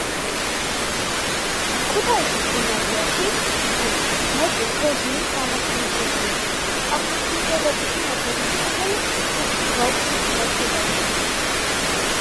ქუთაისის გიმნაზიაში კი მეფის რეჟიმის დამახინჯებული აღმზრდელობითი მეთოდის მთელი სუსხი ბავშვურ მხრებზე გამოცადა.